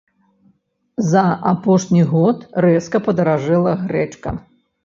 За апошні год рэзка падаражэла грэчка.